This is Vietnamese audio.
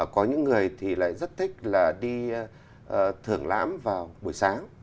có những người thì lại rất thích là đi thưởng lãm vào buổi sáng